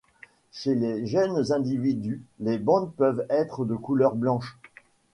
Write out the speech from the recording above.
Chez les jeunes individus, les bandes peuvent être de couleur blanche.